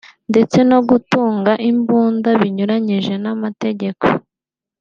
ndetse no gutunga imbunda binyuranije n’amategeko